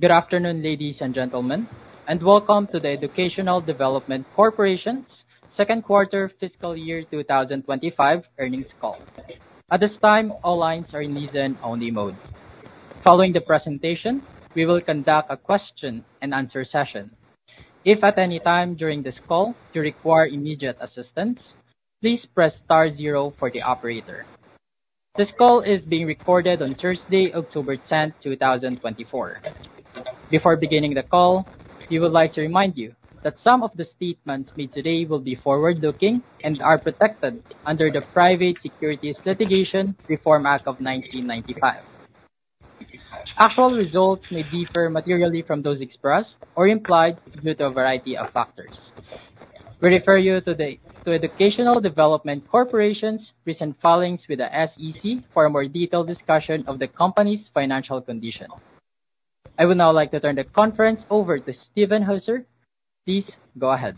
Good afternoon, ladies and gentlemen, and welcome to the Educational Development Corporation's second quarter fiscal year 2025 earnings call. At this time, all lines are in listen-only mode. Following the presentation, we will conduct a question and answer session. If at any time during this call you require immediate assistance, please press star zero for the operator. This call is being recorded on Thursday, October 10th, 2024. Before beginning the call, we would like to remind you that some of the statements made today will be forward-looking and are protected under the Private Securities Litigation Reform Act of 1995. Actual results may differ materially from those expressed or implied due to a variety of factors. We refer you to Educational Development Corporation's recent filings with the SEC for a more detailed discussion of the company's financial condition.. I would now like to turn the conference over to Steven Hooser. Please go ahead.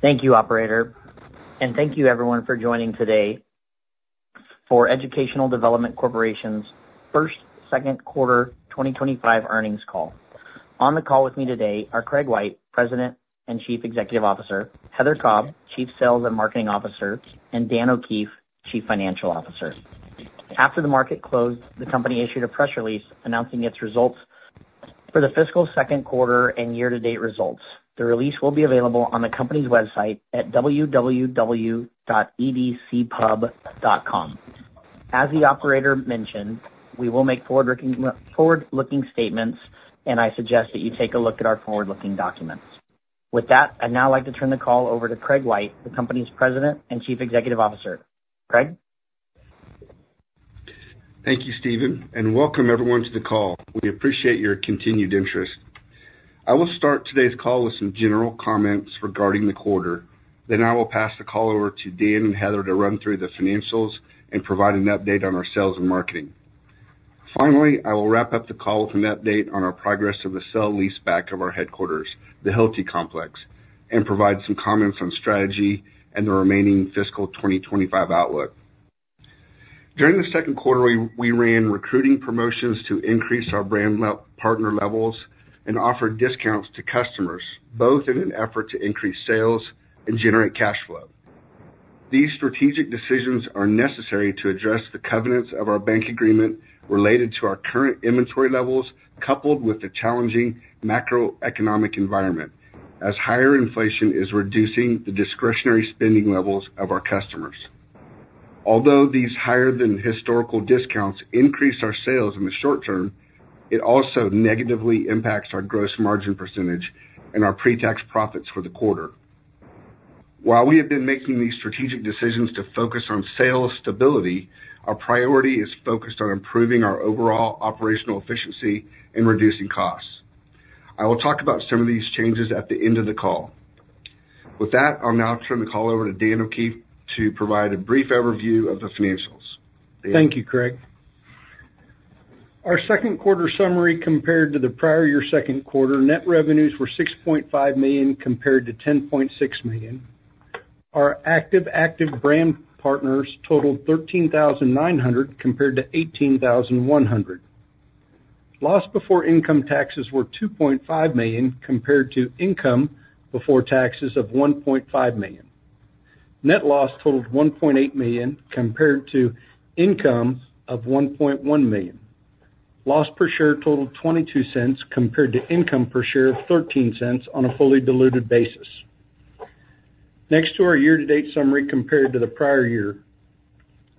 Thank you, operator, and thank you everyone for joining today for Educational Development Corporation's fiscal second quarter 2025 earnings call. On the call with me today are Craig White, President and Chief Executive Officer, Heather Cobb, Chief Sales and Marketing Officer, and Dan O'Keefe, Chief Financial Officer. After the market closed, the company issued a press release announcing its results for the fiscal second quarter and year-to-date results. The release will be available on the company's website at www.edcpub.com. As the operator mentioned, we will make forward-looking statements, and I suggest that you take a look at our forward-looking documents. With that, I'd now like to turn the call over to Craig White, the company's President and Chief Executive Officer. Craig? Thank you, Steven, and welcome everyone to the call. We appreciate your continued interest. I will start today's call with some general comments regarding the quarter. Then I will pass the call over to Dan and Heather to run through the financials and provide an update on our sales and marketing. Finally, I will wrap up the call with an update on our progress of the sell-leaseback of our headquarters, the Hilti Complex, and provide some comments on strategy and the remaining fiscal 2025 outlook. During the second quarter, we ran recruiting promotions to increase our brand partner levels and offered discounts to customers, both in an effort to increase sales and generate cash flow. These strategic decisions are necessary to address the covenants of our bank agreement related to our current inventory levels, coupled with the challenging macroeconomic environment, as higher inflation is reducing the discretionary spending levels of our customers. Although these higher than historical discounts increase our sales in the short term, it also negatively impacts our gross margin percentage and our pre-tax profits for the quarter. While we have been making these strategic decisions to focus on sales stability, our priority is focused on improving our overall operational efficiency and reducing costs. I will talk about some of these changes at the end of the call. With that, I'll now turn the call over to Dan O'Keefe to provide a brief overview of the financials. Dan? Thank you, Craig. Our second quarter summary compared to the prior year second quarter, net revenues were $6.5 million, compared to $10.6 million. Our active brand partners totaled 13,900, compared to 18,100. Loss before income taxes were $2.5 million, compared to income before taxes of $1.5 million. Net loss totaled $1.8 million, compared to income of $1.1 million. Loss per share totaled $0.22, compared to income per share of $0.13 on a fully diluted basis. Next to our year-to-date summary compared to the prior year,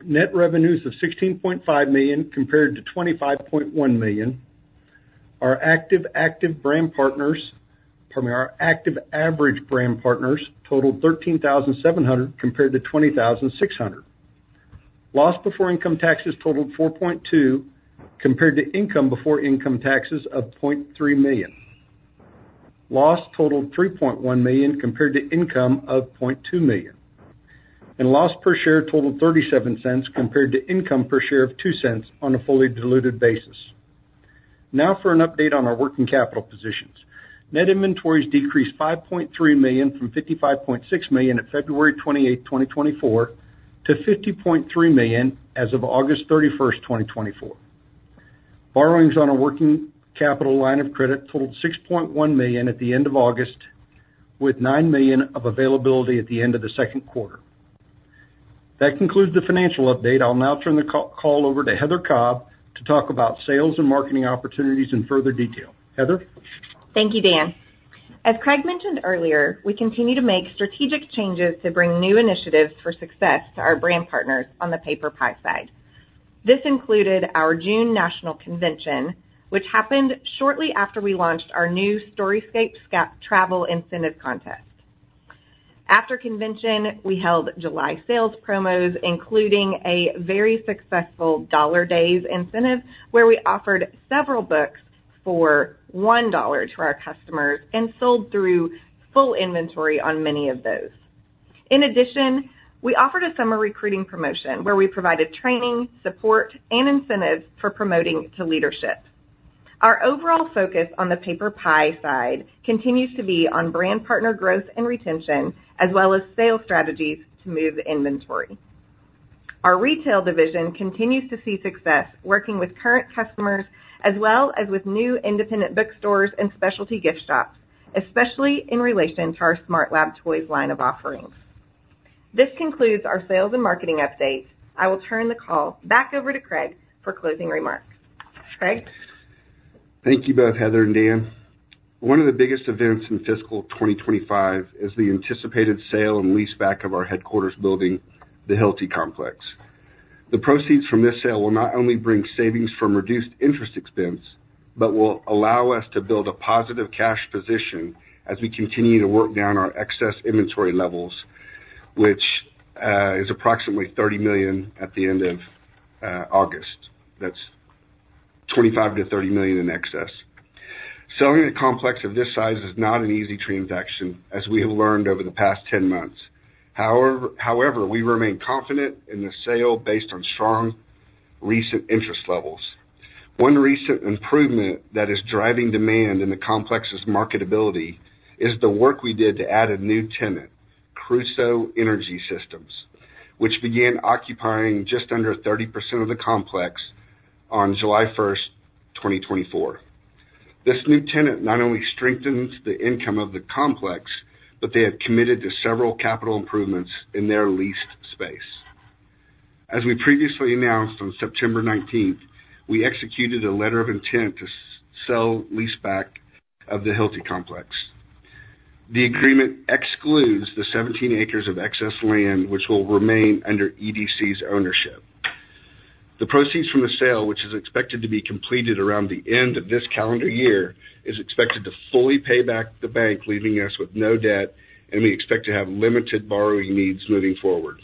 net revenues of $16.5 million, compared to $25.1 million. Our active brand partners, pardon me, our active average brand partners totaled 13,700, compared to 20,600. Loss before income taxes totaled $4.2, compared to income before income taxes of $0.3 million. Loss totaled $3.1 million, compared to income of $0.2 million. Loss per share totaled $0.37, compared to income per share of $0.02 on a fully diluted basis. Now for an update on our working capital positions. Net inventories decreased $5.3 million from $55.6 million at February 28, 2024, to $50.3 million as of August 31, 2024. Borrowings on a working capital line of credit totaled $6.1 million at the end of August, with $9 million of availability at the end of the second quarter. That concludes the financial update. I'll now turn the call over to Heather Cobb to talk about sales and marketing opportunities in further detail. Heather? Thank you, Dan. As Craig mentioned earlier, we continue to make strategic changes to bring new initiatives for success to our brand partners on the PaperPie side. This included our June national convention, which happened shortly after we launched our new Storyscape Travel Incentive Contest. After convention, we held July sales promos, including a very successful Dollar Days incentive, where we offered several books for $1 to our customers and sold through full inventory on many of those. In addition, we offered a summer recruiting promotion, where we provided training, support, and incentives for promoting to leadership. Our overall focus on the PaperPie side continues to be on brand partner growth and retention, as well as sales strategies to move inventory. Our retail division continues to see success working with current customers as well as with new independent bookstores and specialty gift shops, especially in relation to our SmartLab Toys line of offerings. This concludes our sales and marketing update. I will turn the call back over to Craig for closing remarks. Craig? Thank you both, Heather and Dan. One of the biggest events in fiscal 2025 is the anticipated sale and leaseback of our headquarters building, the Hilti Complex. The proceeds from this sale will not only bring savings from reduced interest expense, but will allow us to build a positive cash position as we continue to work down our excess inventory levels, which is approximately $30 million at the end of August. That's $25 million-$30 million in excess. Selling a complex of this size is not an easy transaction, as we have learned over the past 10 months. However, we remain confident in the sale based on strong recent interest levels. One recent improvement that is driving demand in the complex's marketability is the work we did to add a new tenant, Crusoe Energy Systems, which began occupying just under 30% of the complex on July 1st, 2024. This new tenant not only strengthens the income of the complex, but they have committed to several capital improvements in their leased space. As we previously announced on September 19th, we executed a letter of intent to sell-leaseback of the Hilti Complex. The agreement excludes the 17 acres of excess land, which will remain under EDC's ownership. The proceeds from the sale, which is expected to be completed around the end of this calendar year, is expected to fully pay back the bank, leaving us with no debt, and we expect to have limited borrowing needs moving forward.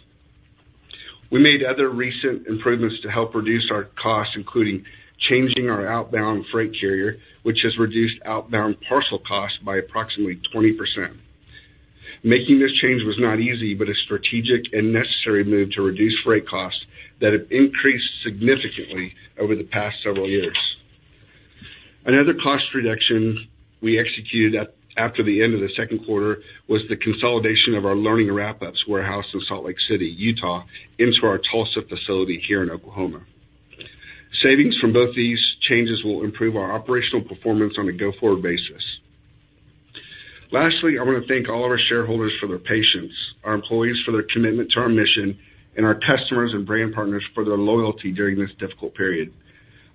We made other recent improvements to help reduce our costs, including changing our outbound freight carrier, which has reduced outbound parcel costs by approximately 20%. Making this change was not easy, but a strategic and necessary move to reduce freight costs that have increased significantly over the past several years. Another cost reduction we executed after the end of the second quarter was the consolidation of our Learning Wrap-Ups warehouse in Salt Lake City, Utah, into our Tulsa facility here in Oklahoma. Savings from both these changes will improve our operational performance on a go-forward basis. Lastly, I want to thank all of our shareholders for their patience, our employees for their commitment to our mission, and our customers and brand partners for their loyalty during this difficult period.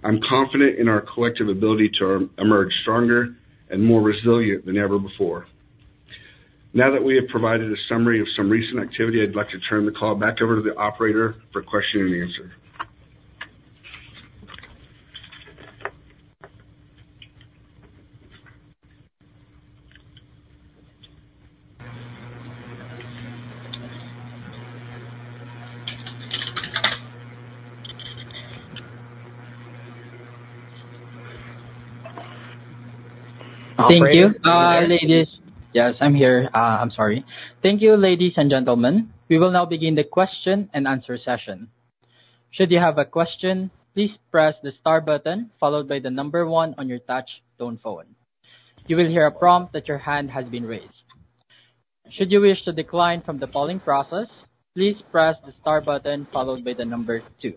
I'm confident in our collective ability to emerge stronger and more resilient than ever before. Now that we have provided a summary of some recent activity, I'd like to turn the call back over to the operator for question and answer. Thank you, ladies. Yes, I'm here. I'm sorry. Thank you, ladies and gentlemen. We will now begin the question and answer session. Should you have a question, please press the star button, followed by the number one on your touch tone phone. You will hear a prompt that your hand has been raised. Should you wish to decline from the polling process, please press the star button followed by the number two.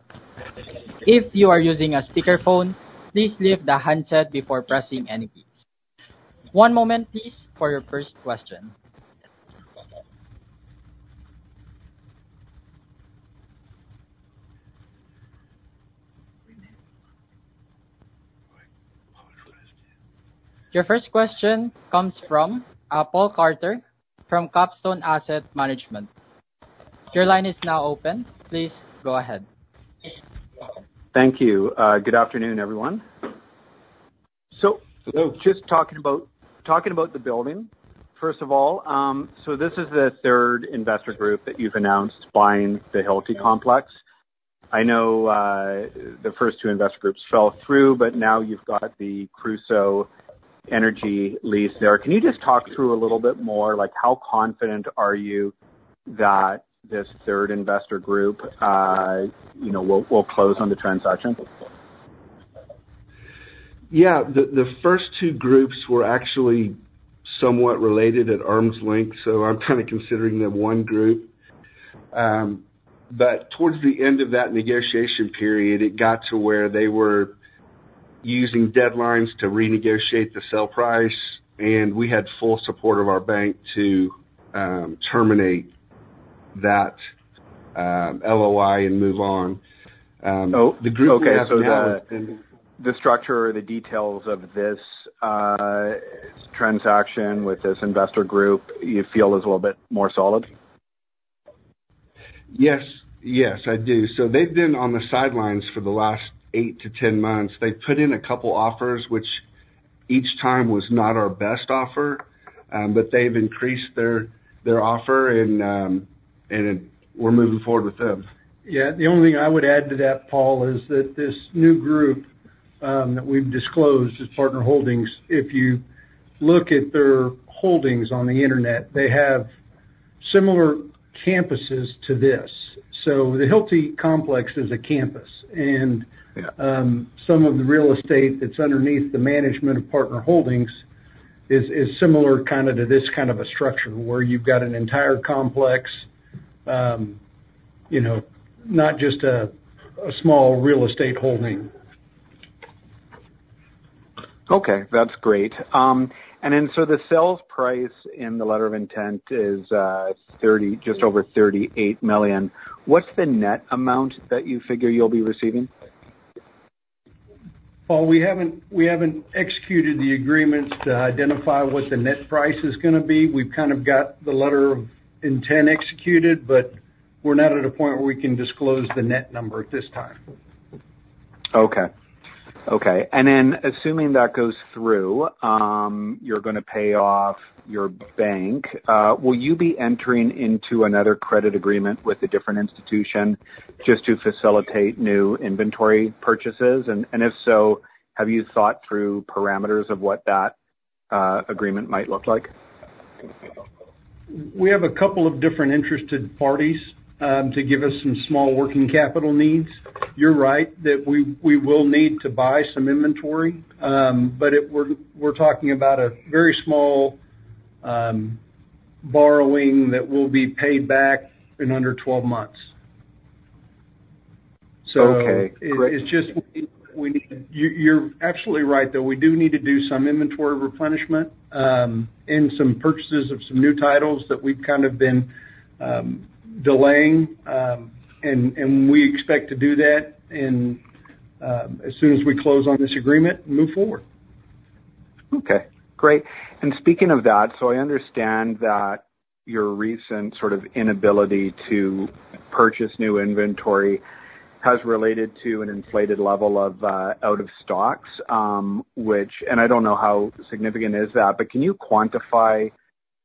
If you are using a speakerphone, please leave the handset before pressing any keys. One moment, please, for your first question. Your first question comes from Paul Carter from Capstone Asset Management. Your line is now open. Please go ahead. Thank you. Good afternoon, everyone, so just talking about the building, first of all, so this is the third investor group that you've announced buying the Hilti Complex. I know, the first two investor groups fell through, but now you've got the Crusoe Energy lease there. Can you just talk through a little bit more, like, how confident are you that this third investor group, you know, will close on the transaction? Yeah, the first two groups were actually somewhat related at arm's length, so I'm kind of considering them one group. But towards the end of that negotiation period, it got to where they were using deadlines to renegotiate the sale price, and we had full support of our bank to terminate that LOI and move on. The group we have now. Okay, so the structure or the details of this transaction with this investor group, you feel is a little bit more solid? Yes. Yes, I do. So they've been on the sidelines for the last eight to 10 months. They've put in a couple offers, which each time was not our best offer, but they've increased their offer, and we're moving forward with them. Yeah, the only thing I would add to that, Paul, is that this new group that we've disclosed, it's Partner Holdings, if you look at their holdings on the Internet, they have similar campuses to this. So the Hilti Complex is a campus, and some of the real estate that's underneath the management of Partner Holdings is similar kind of to this kind of a structure, where you've got an entire complex, you know, not just a small real estate holding. Okay, that's great. And then, so the sales price in the Letter of Intent is just over $38 million. What's the net amount that you figure you'll be receiving? We haven't executed the agreements to identify what the net price is gonna be. We've kind of got the letter of intent executed, but we're not at a point where we can disclose the net number at this time. Okay. Okay, and then assuming that goes through, you're gonna pay off your bank. Will you be entering into another credit agreement with a different institution just to facilitate new inventory purchases? And, if so, have you thought through parameters of what that agreement might look like? We have a couple of different interested parties to give us some small working capital needs. You're right, that we will need to buy some inventory, but we're talking about a very small borrowing that will be paid back in under 12 months. So- Okay, great. It's just we need. You're absolutely right, though. We do need to do some inventory replenishment, and some purchases of some new titles that we've kind of been delaying, and we expect to do that as soon as we close on this agreement and move forward. Okay, great. And speaking of that, so I understand that your recent sort of inability to purchase new inventory has related to an inflated level of out of stocks, and I don't know how significant is that, but can you quantify,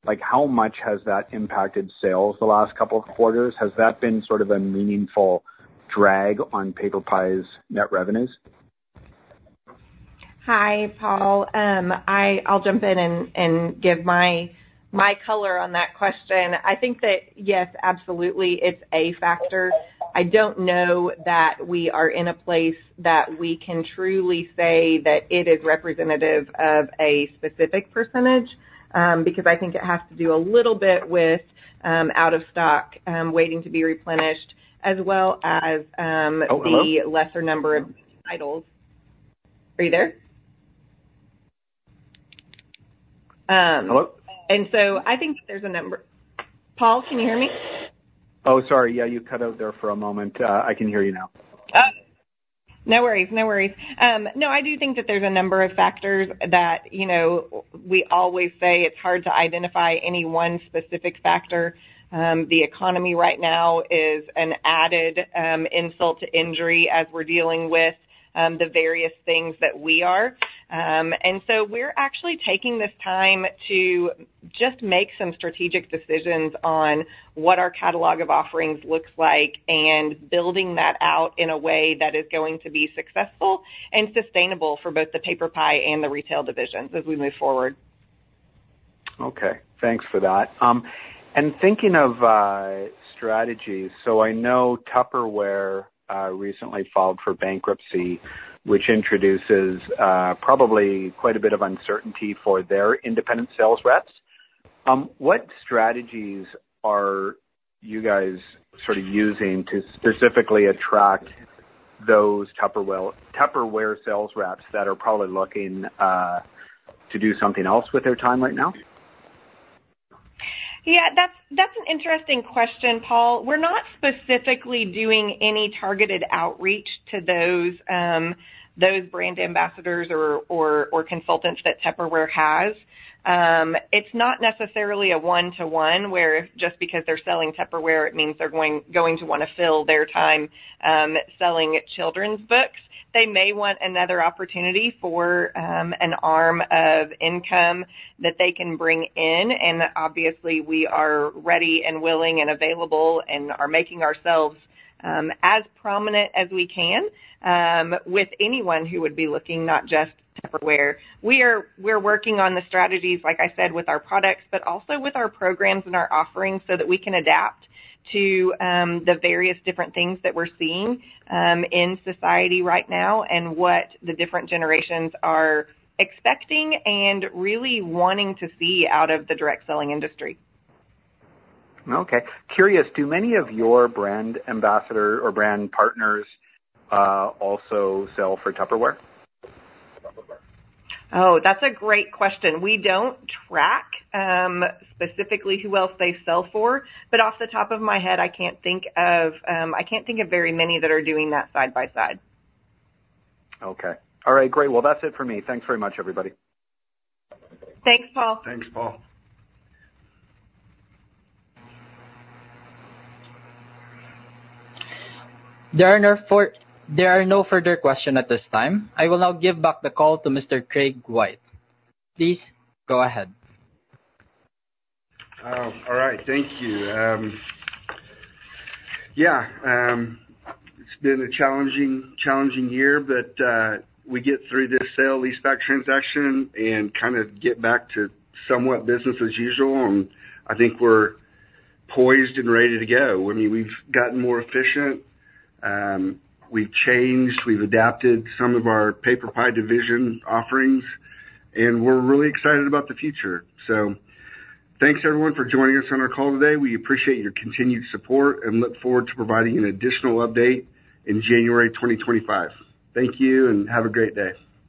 like, how much has that impacted sales the last couple of quarters? Has that been sort of a meaningful drag on PaperPie's net revenues? Hi, Paul. I'll jump in and give my color on that question. I think that, yes, absolutely, it's a factor. I don't know that we are in a place that we can truly say that it is representative of a specific percentage, because I think it has to do a little bit with out of stock waiting to be replenished, as well as. Oh, hello? The lesser number of titles. Are you there? Hello? And so I think there's a number... Paul, can you hear me? Oh, sorry, yeah, you cut out there for a moment. I can hear you now. No worries. No worries. No, I do think that there's a number of factors that, you know, we always say it's hard to identify any one specific factor. The economy right now is an added insult to injury as we're dealing with the various things that we are. And so we're actually taking this time to just make some strategic decisions on what our catalog of offerings looks like, and building that out in a way that is going to be successful and sustainable for both the PaperPie and the retail divisions as we move forward. Okay, thanks for that. And thinking of strategies, so I know Tupperware recently filed for bankruptcy, which introduces probably quite a bit of uncertainty for their independent sales reps. What strategies are you guys sort of using to specifically attract those Tupperware sales reps that are probably looking to do something else with their time right now? Yeah, that's an interesting question, Paul. We're not specifically doing any targeted outreach to those brand ambassadors or consultants that Tupperware has. It's not necessarily a one-to-one, where just because they're selling Tupperware, it means they're going to want to fill their time selling children's books. They may want another opportunity for an arm of income that they can bring in, and obviously we are ready and willing and available, and are making ourselves as prominent as we can with anyone who would be looking, not just Tupperware. We're working on the strategies, like I said, with our products, but also with our programs and our offerings, so that we can adapt to the various different things that we're seeing in society right now, and what the different generations are expecting and really wanting to see out of the direct selling industry. Okay. Curious, do many of your brand ambassador or brand partners also sell for Tupperware? Oh, that's a great question. We don't track, specifically who else they sell for, but off the top of my head, I can't think of very many that are doing that side by side. Okay. All right, great. Well, that's it for me. Thanks very much, everybody. Thanks, Paul. Thanks, Paul. There are no further question at this time. I will now give back the call to Mr. Craig White. Please go ahead. All right. Thank you. Yeah, it's been a challenging, challenging year, but we get through this sale-leaseback transaction and kind of get back to somewhat business as usual, and I think we're poised and ready to go. I mean, we've gotten more efficient, we've changed, we've adapted some of our PaperPie division offerings, and we're really excited about the future. So thanks everyone for joining us on our call today. We appreciate your continued support and look forward to providing an additional update in January 2025. Thank you and have a great day.